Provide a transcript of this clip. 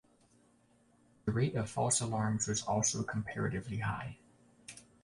The rate of false alarms was also comparatively high.